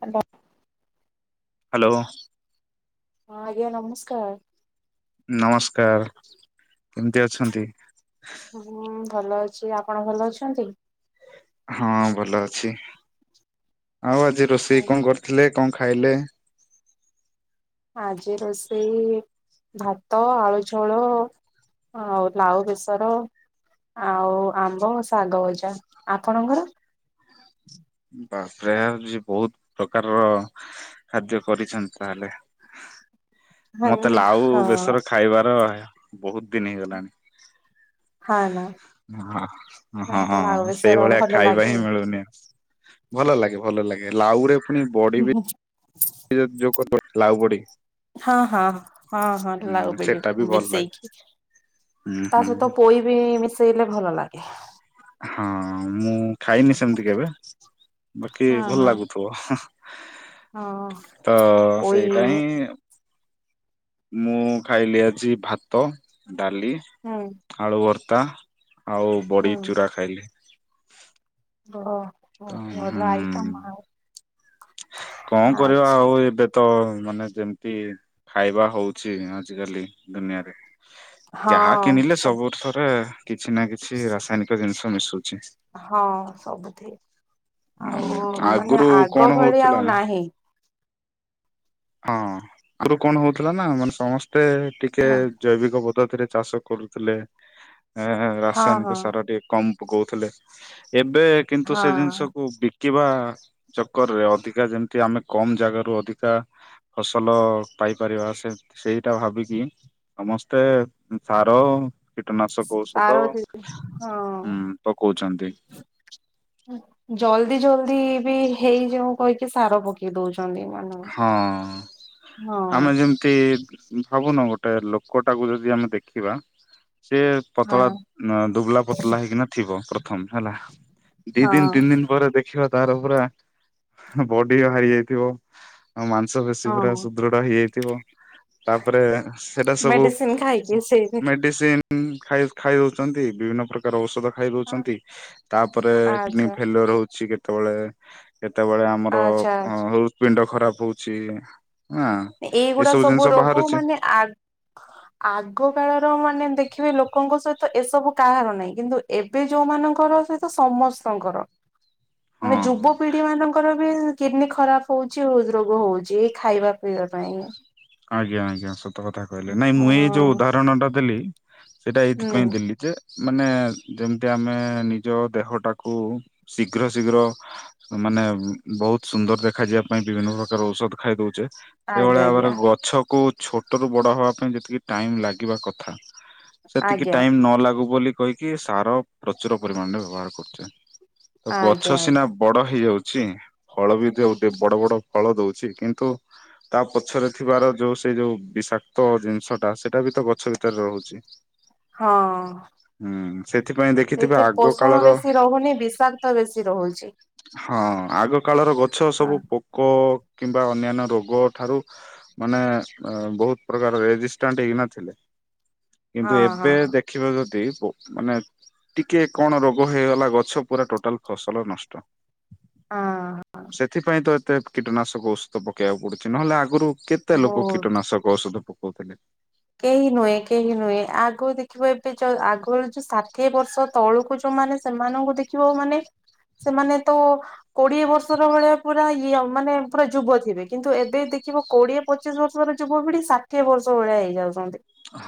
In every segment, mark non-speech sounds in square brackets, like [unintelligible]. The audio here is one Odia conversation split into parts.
ହେଲୋ। ହ୍ୟାଲୋ। ହଁ ଆଜ୍ଞା ନମସ୍କାର। ନମସ୍କାର, କେମତି ଅଛନ୍ତି? ହୁଁ ଭଲ ଅଛି, ଆପଣ ଭଲ ଅଛନ୍ତି? ହଁ ଭଲ ଅଛି। ଆଉ ଆଜି ରୋଷେଇ କଣ କରିଥିଲେ କଣ ଖାଇଲେ? ଆଜି ରୋଷେଇ ଭାତ ଆଳୁ ଝୋଳ ଆଉ ଲାଉ ବେସର। ଆଉ ଆମ୍ବ, ଶାଗ ଭଜା। ଆପଣଙ୍କର? ବାପରେ ବହୁତ ପ୍ରକାରର ଖାଦ୍ୟ କରିଛନ୍ତି ତାହେଲେ। [unintelligible] ହଁ ମତେ ଲାଉ ବେସର ଖାଇବାର ବହୁତ ଦିନ ହେଇଗଲାଣି। ହଁ ନା ହଁ ହଁ ଲାଉ ବେସର ସେଇଭଳିଆ ଭଲ ଖାଇବା ଲାଗେ। ହିଁ ମିଳୁନି। ଭଲ ଲାଗେ ଭଲ ଲାଗେ ଲାଉ ରେ ପୁଣି ବଡି ବି ଏ ଯୋଉ [unintelligible] ଲାଉଵଡି। ହଁ ହଁ ହଁ ହଁ ଲାଉ ଵଡି ସେଟା ବି ଭଲ ଲାଗେ ମିଶେଇକି ହୁଁ ତା ସହିତ ହୁଁ। ପୋଇ ବି ମିଶେଇଲେ ଭଲ ଲାଗେ। ହଁ ମୁଁ ଖାଇନି ସେମିତି କେବେ ବାକି ହଁ ହଁ ଭଲ ଲାଗୁଥିବ? ହଁ ତ ପୋଇ ସେଇଟା ହିଁ ମୁଁ ଖାଇଲି ଆଜି ଭାତ, ଡାଲି, ହୁଁ ଆଳୁ ଭର୍ତ ତା ଆଉ ବଡ଼ି ଚୁରା ଖାଇଲି। ତ ଓ ଭଲ ଆଇଟମ୍ ଆଉ। କଁ କରିବା ଆଚ୍ଛା। ଆଉ ଏବେ ତ ମାନେ ଯେମିତି ଖାଇବା ହଉଛି ଆଜିକାଲି ଦୁନିଆରେ। ଯାହା କିଣିଲେ ସବୁ ଥରେ କିଛି ନା କିଛି ରାସାୟନିକ ଜିନିଷ ମିଶୁ ହଁ ସବୁଠି। ଆଉ ହୁଁ ମାନେ ଆଗରୁ କଣ ଆଗ ଭଳି ହଉଥିଲା ଆଉ ନାହିଁ। ହଁ ଆଗରୁ କଣ ହଉଥିଲା ନା ମାନେ ସମସ୍ତେ ଟିକେ ହଁ ଜୈବିକ ପ ପଦ୍ଧତିରେ ଚାଷ କରୁଥିଲେ ଏ ହଁ ହଁ ରାସାୟନିକ ସାର ଟିକେ କମ ପକଉଥିଲେ। ଏବେ କିନ୍ତୁ ସେ ହଁ ଜିନିଷକୁ ବି କିିବା ଚକରରେ ଅଧିକା ଯେମିତି ଆମେ କମ ଜାଗାରୁ ଅଧିକା ଫସଲ ପାଇପାରିବା ସେ ସେଇଟା ଭାବିକି ସମସ୍ତେ ସାର କୀଟନାଶକ ଔଷଧ ସାର ଦି ହଁ ଉଁ ପକଉଛନ୍ତି। ଜଲଦି ଜଲଦି ବି ହେଇଯାଉ କହିକି ସାର ପକେଇ ଦଉଛନ୍ତି। ମାନ ହଁ ହଁ ଆମେ ଯେମିତି ଭାବୁନୁ ଗୋଟେ ଲୋକଟାକୁ ଯଦି ଆମେ ଦେଖିବା ତା ସେ ପତଳା ହଁ ଦୁବଲା ପତଳା ହେଇକିନା ଥିବ ପ୍ରଥମ ହେଲା। ଦି ହଁ ଦିନ ତିନି ଦିନ ପରେ ଦେଖିବା ତାର ପୁରା ବଡି ବାହାରି ଯାଇଥିବ। ଆଉ ମାଂସପେଶୀ ହଁ ପୁରା ସୁଦୃଢ ହେଇଯାଇଥିବ। ତାପରେ ସେଇଟା ସବୁ ମେଡିସିନ ଖାଇକି ସେଇ ମେଡିସିନ ହୁଁ ଖାଇ ଖାଇଦଉଛନ୍ତି ବିଭିନ୍ନ ପ୍ରକାର ଔଷଧ ଖାଇ ଦଉଛନ୍ତି ତାପରେ କିଡନୀ ଆଚ୍ଛା ଫେଲିଓର ହଉଛି କେତେବେଳେ କେତେବେଳେ ଆମର ଆଚ୍ଛା ଅ ହୃଦପିଣ୍ଡ ଖରାପ ହଉଛି। ହଁ। ଏଇଗୁଡା ଏସବୁ ସବୁ ଜିନିଷ ରୋଗକୁ ବାହାରୁଛି ମାନେ ଆ ଆଗ କାଳର ମାନେ ଦେଖିବେ ଲୋକ ଲୋକଙ୍କ ସହିତ ଏସବୁ କାହାର ନାହିଁ କିନ୍ତୁ ଏବେ ଯୋଉମାନଙ୍କର ସହିତ ସମସ୍ତଙ୍କର। ହଁ। ମାନେ ଯୁବପିଢି ମାନଙ୍କର ବି କିଡନୀ ଖରାପ ହଉଛି ହୃଦ ରୋଗ ହଉଛି ଖାଇବା ପିଇବା ପାଇଁ। ଆଜ୍ଞା ଆଜ୍ଞା ସତ କଥା କହିଲେ ନାଇଁ ମୁଁ ଏଇ ଯୋଉ ହଁ ଉଦାହରଣ ଟା ଦେଲି ସେଇଟା ହୁଁ ଏଇଥିପାଇଁ ଦେଲି ଯେ ମାନେ ଯେମିତି ଆମେ ନିଜ ଦେହଟାକୁ ଶୀଘ୍ର ଶୀଘ୍ର ମାନେ ବହୁତ ସୁନ୍ଦର ଦେଖାଯିବା ପାଇଁ ବିଭିନ୍ନ ପ୍ରକାର ଔଷଧ ଖାଇ ଦଉଛେ ଆଜ୍ଞା ସେଭଳିଆ ଆମର ଆଜ୍ଞା ଗଛ କୁ ଛୋଟ ରୁ ବଡ ହବା ପାଇଁ ଯେତିକି ଟାଇମ ଲାଗିବା କଥା ସେତିକି ଆଜ୍ଞା ଟାଇମ ନ ଲାଗୁ ବୋଲି କହିକି ସାର ପ୍ରଚୁର ପରିମାଣରେ ବ୍ୟବହାର କରୁଛନ୍ତି। ତ ଆଜ୍ଞା ଗଛ ସିନା ଆଜ୍ଞା। ବଡ ହେଇଯାଉଛି ଫଳ ବି ଦଉ ଟେ ବଡ ବଡ ଫଳ ଦୋଉଛି କିନ୍ତୁ ତା ପଛରେ ଥିବାର ଯୋଉ ସେଇ ଯୋଉ ବିଷାକ୍ତ ଜିନିଷଟା ସେଇଟା ବି ତ ଗଛ ଭିତରେ ରହୁଛି ହଁଅ। ହୁଁ ସେଥିପାଇଁ ଦେଖିଥିବେ ଏଥିରେ ଆଗ ପୋଷଣ କାଳର ବେଶି ରହୁନି ବିଷାକ୍ତ ବେଶୀ ରହୁଛି। ହଁ ଆଗ କାଳର ଗଛ ସବୁ ହଁ ପୋକ କିମ୍ ବା ଅନ୍ୟାନ୍ୟ ରୋଗ ଠାରୁ ମାନେ ବହୁତ ପ୍ରକାର ରେଜିଷ୍ଟାଣ୍ଟ ହେଇନଥିଲେ ହଁ କିନ୍ତୁ ହଁ। ଏବେ ଦେଖିବା ଯଦି ମାନେ ଟିକେ କଣ ରୋଗ ହେଇଗଲା ଗଛ ପୁରା ଟୋଟାଲ ଫସଲ ନଷ୍ଟ। ହଁ [inaudible] ସେଥିପାଇଁ ତ ଏତେ କୀଟନାଶକ ଔଷଧ ପକେଇବାକୁ ପଡୁଛି। ନହେଲେ ଆଗରୁ କେତେ ଲୋକ ବହୁତ କୀଟନାଶକ ଔଷଧ ପକଉଥିଲେ। କେହି ନୁହେଁ କେହି ନୁହେଁ ଆଗ ଦେଖିବ ଏବେ ଯୋଉ ଆଗରୁ ଷାଠିଏ ବର୍ଷ ତଳକୁ ଯୋଉମାନେ ସେମାନଙ୍କୁ ଦେଖିବ ମାନେ ସେମାନେ ତ କୋଡିଏ ବର୍ଷର ଭଳିଆ ପୁରା ୟଅ ମାନେ ପୁରା ଯୁବ ଥିବେ କିନ୍ତୁ ଏବେ ଦେ ଦେଖିବ କୋଡିଏ ପଚିଶ ବର୍ଷ ର ଯୁବ ପିଡ଼ି ଷାଠିଏ ବର୍ଷ ଭଳିଆ ହେଇ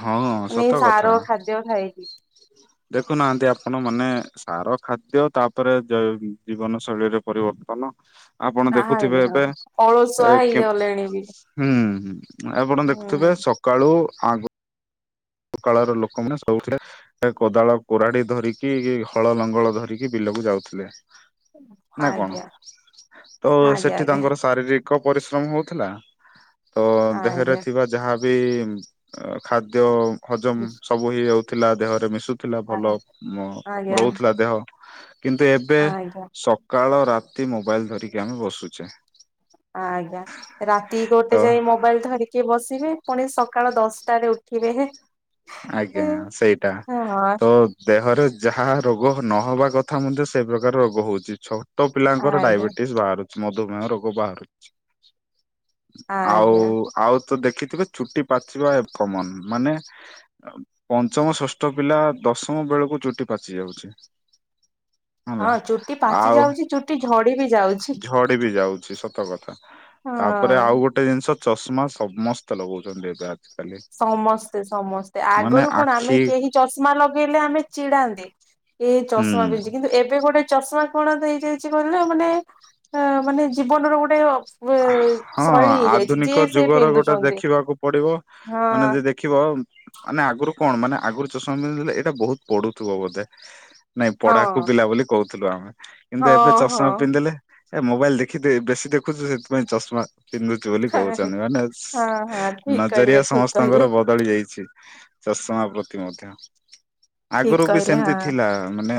ହଁ ନି ସତ କଥା। ସାର ଖାଦ୍ୟ ଖଇକି ଦେଖୁନାହାନ୍ତି ଆପଣ ମାନେ ସାର ଖାଦ୍ୟ ତାପରେ ଜୀବନ ଶୈଳୀରେ ପରିବର୍ତ୍ତନ। କନ ଆପଣ ଦେଖୁଥିବେ ଆଜ୍ଞା ହଁ ଏବେ ଅଳସୁଆ ଏ କେ ହେଇଗଲେଣି ବି। ହୁଁ। ଆପଣ ଦେଖୁଥିବେ ହୁଁ ସକାଳୁ ଆଗ କାଳର ଲୋକମାନୋନେ ସବୁଉଠିଲେ। କୋଦାଳ କୁରାଢ଼ୀ ଧରିକି ହଳ ଲଙ୍ଗଳ ଧରିକି ବିଲକୁ ଯାଉଥିଲେ। [inaudible] ନା କଣ ଆଜ୍ଞା [inaudible] ତ ଆଜ୍ଞା ସେଠି ଆଜ୍ଞା ତାଙ୍କର ଶାରୀରି ପରିଶ୍ରମ ହଉଥିଲା [inaudible] ତ ଦେହରେ ଆଜ୍ଞା ଥିବା ଯାହା ବି ଖାଦ୍ୟ ହଜମ ସବୁ ହି ଯାଉଥିଲା ଦେହରେ ମିଶୁ ଥିଲା ଭଲ ଆଜ୍ଞା ରହୁଥିଲା ଦେହ କିନ୍ତୁ ଏବେ ଆଜ୍ଞା ସକାଳ ପ୍ରାପ୍ତି ମୋବାଇଲ ଧରିକି ଆମେ ବସୁଛେ। ଆଜ୍ଞା ରାତି ତ ଗୋଟେ ଯାଇ ମୋବାଇଲ ଧରିକି ବସ ତେଣି ପୁଣି ସକାଳ ଦଶଟାରେ ଉଠିବେ ହେଁ। ଆଜ୍ଞା ସେଇଟା ତ ଦେହରେ ଯାହା ରୋଗ ନହବା କଥା ମଧ୍ୟ ସେ ପ୍ରକାର ରୋଗ ହଉଛି ଛୋଟ ପିଲାଙ୍କର ଆଜ୍ଞା ଡାଇବେଟିସ୍ ବାହାରୁଛି। ମଧୁମେହ ରୋଗ ବାହାରୁଛି [inaudible] ଆଉ ଆଜ୍ଞା ଆଉ ତ ଦେଖିଥିବେ ଚୁଟି ପାଚିବା କମନ ମାନେ ପଞ୍ଚମ ଷଷ୍ଠ ପିଲା ଦଶମ ବେଳକୁ ଚୁଟି ପାଚି ଯାଉଛି। [inaudible] ହେଲା ହଁ ଚୁଟି ପାଚି ଆଉ ଯାଉଛି ଚୁଟି ଝଡି ବି ଯାଉଛି [inaudible] ଝଡି ବି ଯାଉଛି ସତ କଥା। ତାପରେ ହଁ। ଆଉ ଗୋଟେ ଜିନିଷ ଚଷମା ସମସ୍ତେ ଲଗଉଛନ୍ତି ଏବେ। ଆଜିକାଲି ସମସ୍ତେ ସମସ୍ତେ ମାନେ ଆଗରୁ କଣ ଆମେ ଆଖି କେହି ଚଷମା ଲ ଲେ ଆମେ ଚିଡାନ୍ତି ଏ ହୁଁ ଚଷମା ପିନ୍ଧି କିନ୍ତୁ ଏବେ ଗୋଟେ ଚଷମା କଣ ଦେଇ ଯାଇଛି କହିଲେ ମାନେ ଅ ମାନେ ଜୀବନର ଗୋଟେ ଅ ହଁ ଆଧୁନିକ ସେ ଯୁଗରେ ଗୋଟେ ପିନ୍ଧୁଛନ୍ତି ଦେଖିବାକୁ ପଡିବ। ହଁ ମାନେ ଯେ ଦେଖିବ। ମାନେ ଆଗରୁ କଣ ମାନେ ଆଗରୁ ଚଷମା ପିନ୍ଧୁଥିଲେ ଏଇଟା ବହୁତ ପଡୁଥିବ ବୋଧେ। ନାଇଁ ହଁ। ପଢାକୁ ପିଲା ବୋଲି କହୁଥିଲୁ ଆମେ କିନ୍ତୁ ହଁ ଏବେ ହଁ ଚଷମା ପିନ୍ଧିଲେ ଏ ମୋବାଇଲ ଦେଖି ବେଶୀ ଦେଖୁଛୁ ସେଥିପାଇଁ ଚଷମା ପିନ୍ଧୁଛିୁ ବୋଲି କହୁଛନ୍ତି। ହଁ ମାନେ ହଁ ଠିକ କହିଲେ ନଜରିଆ ଠିକ କହିଲେ। ସମସ୍ତଙ୍କର ବଦଳି ଯାଇଛି। ଚଷମା ପ୍ରତି ମଧ୍ୟ ଠିକ ଆଗରୁ ବି କହିଲେ ସେମିତି ହଁ ଥିଲା ମାନେ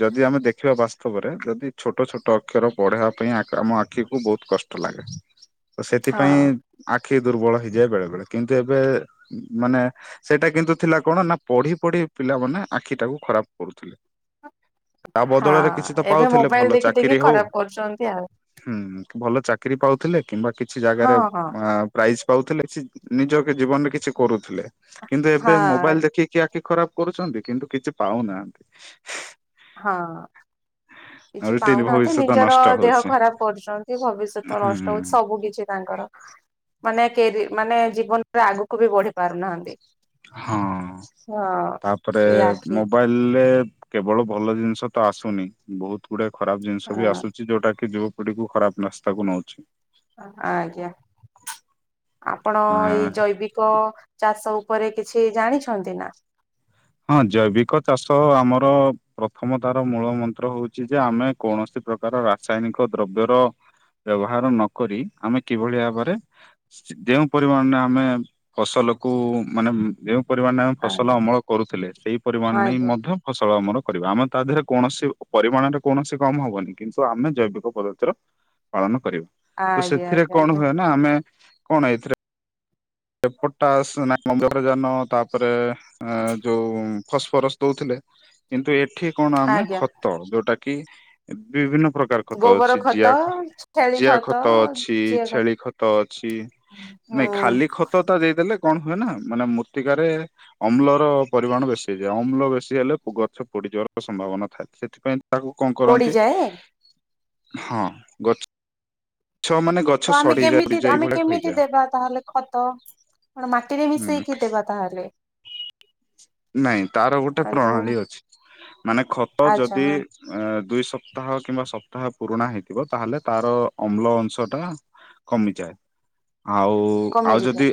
ଯଦି ଆମେ ଦେଖିବା ବା ଉତ୍ସବରେ ଯଦି ଛୋଟ ଛୋଟ ଅକ୍ଷର ପଢେଇବା ପାଇଁ ଆମ ଆଖିକୁ ବହୁତ କଷ୍ଟ ଲାଗେ। ତ ସେଥିପାଇଁ ହଁ ଆ ଖି ଦୁର୍ବଳ ହେଇଯାଏ ବେଳେ ବେଳେ କିନ୍ତୁ ଏବେ ମାନେ ସେଇଟା କିନ୍ତୁ ଥିଲା କଣ ନା ପଢି ପଢି ପିଲାମାନେ ଆଖି ଟାକୁ ଖରାପ କରୁଥିଲେ। ହ [unintelligible] ତା ବଦଳରେ କିଛି ତ ପାଉଥିଲେ ଭଲ ଦେଖି ଦେଖି ଚାକିରି ହଉ ଖରାପ କରୁଛନ୍ତି ଆଉ ହୁଁ ଭଲ ଚାକିରି ପାଉଥିଲେ କିମ୍ବା କିଛି ହଁ ଜାଗାରେ ହଁ ଆ ପ୍ରାଇଜ ପାଉଥିଲେ କି ନିଜ ଜୀବନରେ କିଛି କରୁଥିଲେ କିନ୍ତୁ ଏବେ ହଁ। ମୋବାଇଲ ଦେଖିକି ଆଖୀ ଖରାପ କରୁଛନ୍ତି କିନ୍ତୁ କିଛି ପାଉନାହାନ୍ତି ହଁ ଆଉ କିଛି ପାଉନାହାନ୍ତି ଭବିଷ୍ୟତ ନିଜର ନଷ୍ଟ ଦେହ ହଉଛି ଖରାପ କରୁଛନ୍ତି। ସେ ଭବିଷ୍ୟତ ହୁଁ ନଷ୍ଟ ହଉଛି ସବୁ କିଛି ତାଙ୍କର ମାନେ କେ ରେ ମାନେ ଜୀବନରେ ଆଗକୁ ବି ବଢି ପାରୁନାହାନ୍ତି। ହଁ ହଁ। ତାପରେ ସେଇ ଆଖି ମୋବାଇଲେ କେବଳ ଭଲ ଜିନିଷ ତ ଆସୁନି ବହୁତ ଗୁଡା ଖରାପ ଜିନିଷ ବି ହଁ ଆସୁଛି ଯୋଉଟା କି ଯୋଉ ଗଟିକୁ ଖରାପ ରାସ୍ତାକୁ ନଉଛି ଆଜ୍ଞା ଆପଣ ଏଇ ଜୈବିକ ଚାଷ ଉ ପରେ କିଛି ଜାଣିଛନ୍ତି ନା ହଁ ଜୈବିକ ଚାଷ ଆମର ପ୍ରଥମ ତାର ମୂଳ ମନ୍ତ୍ର ହଉଛି ଯେ ଆମେ କୌଣସି ପ୍ରକାର ରାସାୟନିକ ଦ୍ରବ୍ୟର ବ୍ୟବହାର ନ କରି ଆମେ କିଭଳି ଭାବରେ ଯେଉଁ ପରିମାଣରେ ଆମେ ଫସଲ କୁ ମାନେ ଯେଉ ପରିଣରେ ଆମେ ଫସଲ ଆଜ୍ଞା ଅମଳ କରୁଥିଲେ ସେଇ ପରିମାଣରେ ଆଜ୍ଞା ମଧ୍ୟ ଫସ ଫଳ ଆମର କରିବା ଆମେ ତା ଦେହରେ କୌଣସି ପରିମାଣରେ କୌଣସି କମ ହବନି କିନ୍ତୁ ଆମେ ଜୈବିକ ପଦ୍ଧତିର ପାଳନ କରିବୁ ତ ଆଜ୍ଞା ସେଥିରେ ଆଜ୍ଞା ଆଜ୍ଞା କଣ ହୁଏ ନା ଆମେ କଣ ଏଥିରେ ଫଟାସ ନା ଅମ୍ଳଜାନ ତାପରେ ଏଁ ଯୋଉ ଫସଫରସ ଦଉଥିଲେ। କିନ୍ତୁ ଏଠି କଣ ଆମେ ଆଜ୍ଞା ଖତ ଯୋଉଟା କି ବିଭିନ୍ନ ସବୁପ୍ରକାର ଖତ ଗୋବର ଅଛି ଖତ ଜିଆଖ ଜିଆ ଖତ ଅଛି ଯିଏ ଛେଳି ଖତ ଅଛି। ନାଇଁ ହୁଁ ଖାଲି ଖତ ତ [unintelligible] ଦେଲେ କଣ ହୁଏନା ମାନେ ମୃତ୍ତିକାରେ ଅମ୍ଳର ପରିମାଣ ବେଶୀ ହେଇଯାଏ ଅମ୍ଳ ବେଶୀ ହେଲେ ଗଛ ପୋଡିଯିବାର ସମ୍ଭାବନା ଥାଏ ସେଥିପାଇଁ ତାକୁ କଣ କରନ୍ତି। ପୋଡିଯାଏ ହଁ ଗଛ ମାନେ ଗଛ ତ ଆମେ ସଢିଯାଏ କେମିତି ଆମେ ଏଇଭଳିଆ କେମିତି ହେଇଯାଏ ଦେବା ତାହେଲେ ଖତ କଣ ମା ଟିକେ ହୁଁ ମିସେଇକି ଦେବା ତାହାଲେ ନାଇଁ ତାର ଗୋଟେ ପ୍ରଣାଳୀ ଅଛି ମାନେ ଖତ ଆଚ୍ଛା ଯଦି ହଁ ଅ ଦୁଇ ସପ୍ତାହ କିମ୍ବା ସପ୍ତାହ ପୁରୁଣା ହେଇଥିବ ତାହେଲେ ତାର ଅମ୍ଳ ଅଂଶଟା କମିଯାଏ। ଆଉ ଆଉ କମିଯିବ ଯଦି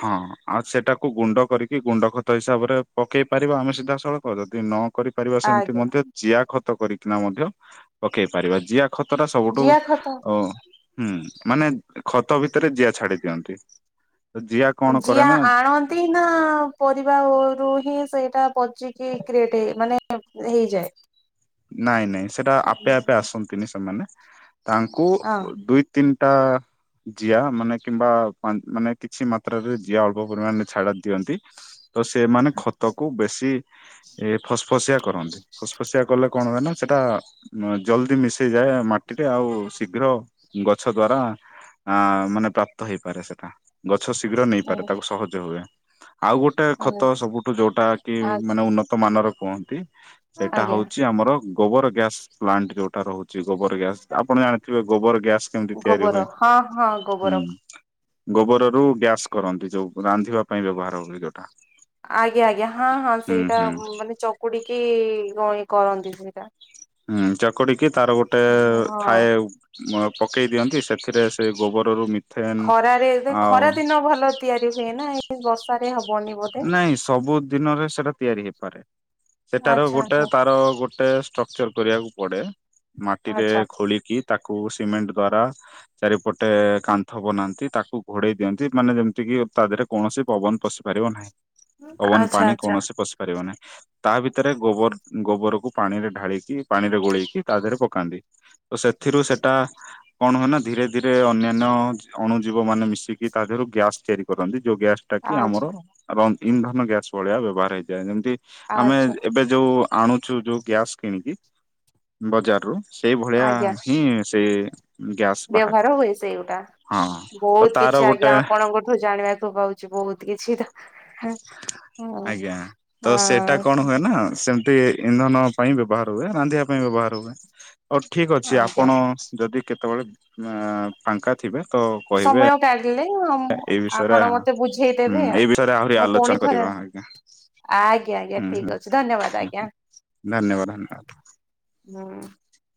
ହଁ ଆଉ ସେଟାକୁ ଗୁଣ୍ଡ କରିକି ଗୁଣ୍ଡ ଖତ ହିସାବରେ ପକେଇ ପାରିବା ଆମେ ସିଧାସଳଖ ଯଦି ନ କରିପାରିବା ସେମିତି ଆଜ୍ଞା ମଧ୍ୟ ଜିଆ ଖତ ଖତ କରିକିନା ମଧ୍ୟ ପକେଇ ପାରିବା ଜିଆ ଖତ ଟା ସବୁଠୁ ଜିଆ ଖତ ଅ ହୁଁ ମାନେ ଖତ ଭିତରେ ଜିଆ ଛାଡି ଦିଅନ୍ତି ଜିଆ କଣ କରେ ଯିଆ ନା ଆଣନ୍ତି ନା ପରିବା ଆଉ ରୁ ହିଁ ସେଇଟା ପଚିକି କ୍ରୀଏଟ ମାନେ ଏ ହେଇଯାଏ। ନାଇଁ ନାଇଁ ସେଟା ଆପେ ଆପେ ଆସନ୍ତିନି ସେମାନେ ତାଙ୍କୁ ଦୁଇ ତିନିଟା ଜିଆ ମାନେ କିମ୍ବା ମାନେ କିଛି ମାତ୍ରାରେ ଜିଆ ଅଳ୍ପ ପରିମାଣରେ ଛାଡ ଦିଅନ୍ତି। ତ ସେମାନେ ଖତକୁ ବେଶୀ ଏ ଫସଫସିଆ କରନ୍ତି ଫସଫସିଆ କଲେ କଣ ହୁଏ ନା ସେଟା ଜଲଦି ମିଶି ଯାଏ ମାଟିରେ ଆଉ ଶୀଘ୍ର ଗଛ ଦ୍ଵାରା ଆ ମାନେ ପ୍ରାପ୍ତ ହେଇପାରେ ସେଟା ଗଛ ଶୀଘ୍ର ନେଇପାରେ ତାକୁ ସହଜ ହୁଏ। ଆଉ ଗୋଟେ ହଁ ଖତ ସବୁଠୁ ଯୋଉଟା କି ମାନେ ଉନ୍ନତ ମାନର କୁହନ୍ତି ସେଇଟା ଆଜ୍ଞା ହଉ ଆମର ଗୋବର ଗ୍ୟାସ ପ୍ଲାଣ୍ଟ ଯୋଉଟା ରହୁଚି ଗୋବର ଗ୍ୟାସ ଆପଣ ଜାଣିଥିବେ ଗୋବର ଗ୍ୟାସ୍। କେମତି ତିଆରି ଗୋବର ହୁଏ ହଁ ହଁ ଗୋବର ହୁଁ। ଗୋବର ରୁ ଗ୍ୟାସ୍ କରନ୍ତି ଯୋଉ ରାନ୍ଧିବା ପାଇଁ ବ୍ୟବହାର ହୁଏ ଯୋଉଟା। ଆଜ୍ଞା ଆଜ୍ଞା ହଁ ହଁ ହୁଁ ସେଇଟା ହୁଁ ମାନେ ଚକୁଡିକିଇ ଗ୍ କରନ୍ତି ସେଇଟା। ହୁଁ ଚକଡିକି ତାର ଗୋଟେ ହଁ ଥାଏ ମ୍ ପକେଇ ଦିଅନ୍ତି ସେଥିରେ ସେ ଗୋବରରୁ ମି ଖରାରେ ଦେ-ଖରା ଦିନ ଭଲ ତିଆରି ହୁଏ ନାଁ ଏଇ ବର୍ଷାରେ ହବ। ନାଇଁ ସବୁ ଦିନରେ ସେଟା ତିଆରି ହେଇପାରେ ସେଟାର ଆଚ୍ଛା ଗୋଟେ ଆଚ୍ଛା ତାର ଗୋ ଗୋଟେ ଷ୍ଟ୍ରକ୍ଚର କରିବାକୁ ପଡେ ମାଟିରେ ଆଚ୍ଛା ଖୋଳିକି। ତାକୁ ସିମେଣ୍ଟ ଦ୍ଵାରା ଚାରିପଟେ କାନ୍ଥ ବନାନ୍ତି ତାକୁ ଘୋଡେଇ ଦିଅନ୍ତି ମାନେ ଯେମୀତି ୟୁପ୍ ତା ଦେହରେ କୌଣସି ପବନ ପଶି ପାରିବ ନାହିଁ ପବନ ଆଚ୍ଛା ପାଣି ଆଚ୍ଛା। କୌଣସି ପଶି ପାରିବ ନାହିଁ। ତା ଭିତରେ ଗୋବର ଗୋବରକୁ ପାଣିରେ ଢାଳିକି ପାଣି ରେ ଗୋଳେଇକି ତା ଥିରେ ପକାନ୍ତି। ତ ସେଥିରୁ ସେଟା କଣ ହୁଏ ନା ଧୀରେ ଧୀରେ ଅନ୍ୟାନ୍ୟ ଅଣୁ ଜୀବ ମାନେ ମିଶିକି ତା ଦେ ରୁଗ୍ୟାସ୍ ତିଆରି କରନ୍ତି ଯୋଉ ଗ୍ୟାସ ଟା କି ଆଚ୍ଛା ଆମର ରନ୍-ଇନ୍ଧନ ଗ୍ୟାସ ଭଳିଆ ବ୍ୟବହାର ହେଇଯାଏ ଯେମତି। ଆମେ ଆଚ୍ଛା ଏବେ ଯୋଉ ଆଣୁଚୁ ଯୋଉ ଗ୍ୟାସ କିଣିକି ବଜାର ରୁ। ସେଇ ଭଳିଆ ଆଜ୍ଞା ହିଁ ସେଏ। ବ୍ୟବହାର ହୁଏ ସେଗୁଟା ହଁ ତ ବହୁତ ତାର କିଛି ଗୋଟେ ଆଜ୍ଞା ଆପଣଙ୍କଠୁ ଜାଣିବାକୁୁ ପାଉ ଚି ବହୁତ କିଛି ତ [unintelligible] ଆଜ୍ଞା ତ ସେଟା ହଁ କଣ ହୁଏ ନାଁ ସେମତି ଇନ୍ଧନ ପାଇଁ ବ୍ୟବହାର। ହୁଏ ରାନ୍ଧିବା ପାଇଁ ବ୍ୟବହାର ହୁଏ। ହଉ ଠିକ ଅଛି ଆଜ୍ଞା ଆପଣ ଯଦି କେତେବେଳେ ମୁଁ ଫାଙ୍କା ଥିବେ। ତ କହିବେ ସମୟ କାଢିଲେ ହଁ ଏଇ ବିଷୟରେ ଆପଣ ମତେ ହୁଁ ବୁଝେଇଦେବେ ଏଇ ବିଷୟରେ ଆହୁରି ଆ ଆଲୋଚନା ପୁଣି ଥରେ କରିବା ଆ ଆଜ୍ଞା। ଆଜ୍ଞା ଆଜ୍ଞା ହୁଁ ହୁଁ ଠିକ ଅଛି ଧନ୍ୟବାଦ ଆଜ୍ଞା। ଧନ୍ୟବାଦ ଧନ୍ୟବାଦ। ହୁ